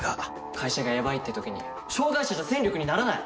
会社がヤバいって時に障がい者じゃ戦力にならない。